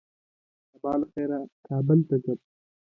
سبا له خيره کابل ته ځم